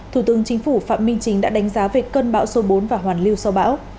thủ tướng chính phủ phạm minh chính đã đánh giá về cơn bão số bốn và hoàn lưu sau bão